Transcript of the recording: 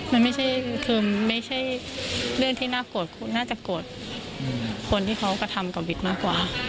มันไม่ใช่เรื่องที่น่าจะโกรธคนที่เขากระทำกับวิทย์มากกว่า